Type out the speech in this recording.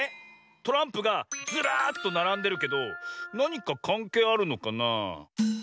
トランプがずらっとならんでるけどなにかかんけいあるのかなあ。